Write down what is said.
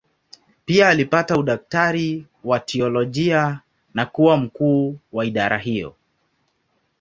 Pia alipata udaktari wa teolojia na kuwa mkuu wa idara hiyo.